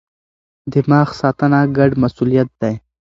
دماغ ساتنه ګډ مسئولیت دی.